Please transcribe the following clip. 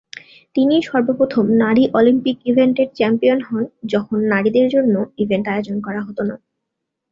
তিনি সর্বপ্রথম নারী অলিম্পিক ইভেন্টের চ্যাম্পিয়ন হন যখন নারীদের জন্য ইভেন্ট আয়োজন করা হতো না।